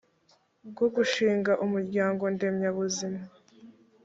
bwo gushinga umuryango ndemyabuzima